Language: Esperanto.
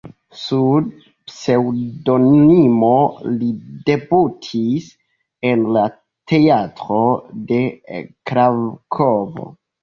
Sub pseŭdonimo li debutis en la teatro de Krakovo.